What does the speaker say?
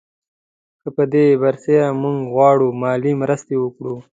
پر دې برسېره موږ غواړو مالي مرستې وکړو.